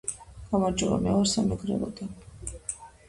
გამარჯობა მე ვარ სამეგრელოდან